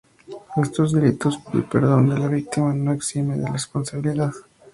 En estos delitos el perdón de la víctima no exime de responsabilidad.